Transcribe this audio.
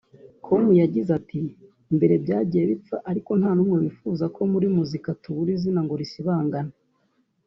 com yagize ati ”Mbere byagiye bipfa ariko nta numwe wakwifuza ko muri muzika tubura iri zina ngo risibangane